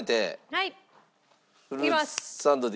はい。